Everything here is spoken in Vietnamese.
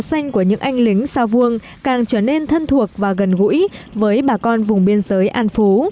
xanh của những anh lính xa vuông càng trở nên thân thuộc và gần gũi với bà con vùng biên giới an phú